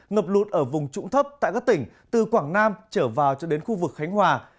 ngập lụt ở vùng trũng thấp tại các tỉnh từ quảng nam trở vào cho đến khu vực khánh hòa